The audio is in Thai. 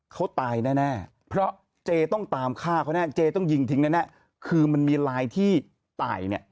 เขาตายแน่น่ะ